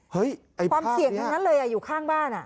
ความเสี่ยงทั้งนั้นเลยอยู่ข้างบ้าน